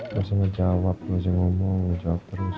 masih ngejawab masih ngomong ngejawab terus